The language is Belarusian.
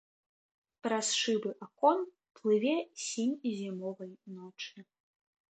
Праз шыбы акон плыве сінь зімовай ночы.